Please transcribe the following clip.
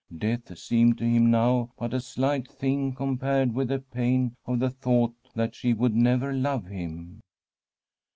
Death seemed to him now but a slight thing compared with the pain of the thought that she would never love him.